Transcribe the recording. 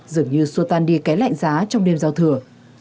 dường như xua tan đi cái lạnh giá trong đêm giao thừa